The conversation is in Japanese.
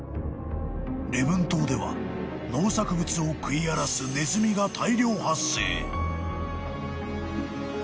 ［礼文島では農作物を食い荒らすネズミが］でも。